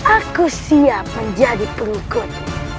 aku siap menjadi pengikut